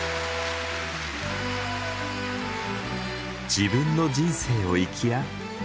「自分の人生を生きや」。